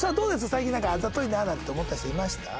最近あざといななんて思った人いました？